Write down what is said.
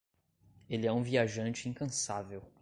Ele é um viajante incansável.